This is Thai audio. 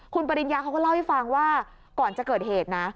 คุณปริญญาเขาก็เล่าให้ฟังว่าก่อนจะเกิดเหตุนะ